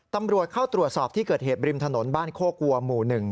ตำรวจเข้าตรวจสอบที่เกิดเหตุบริมถนนบ้านโคกวัวหมู่๑